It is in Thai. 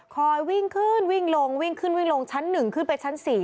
วิ่งขึ้นวิ่งลงวิ่งขึ้นวิ่งลงชั้น๑ขึ้นไปชั้น๔